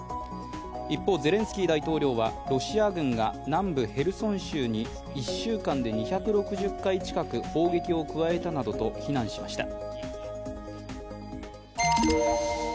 一方、ゼレンスキー大統領はロシア軍が南部ヘルソン州に１週間で２６０回近く砲撃を加えたなどと非難しました。